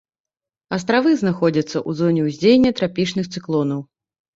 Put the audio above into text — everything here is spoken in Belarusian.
Астравы знаходзяцца ў зоне ўздзеяння трапічных цыклонаў.